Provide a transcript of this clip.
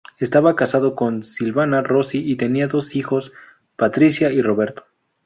Estaba casado con Silvana Rossi y tenía dos hijos, Patricia y Roberto.